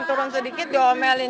turun sedikit diomelin